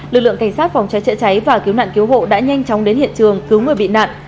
lực lượng cảnh sát phòng cháy chữa cháy và cứu nạn cứu hộ đã nhanh chóng đến hiện trường cứu người bị nạn